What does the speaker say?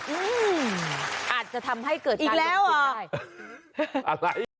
อืมอาจจะทำให้เกิดการสนุกได้